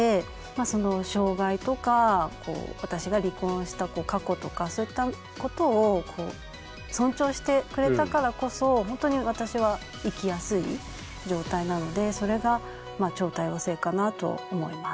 その障害とか私が離婚した過去とかそういったことを尊重してくれたからこそ本当に私は生きやすい状態なのでそれが超多様性かなと思います。